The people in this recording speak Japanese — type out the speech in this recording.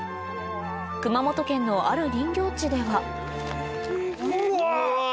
熊本県のある林業地ではうわ！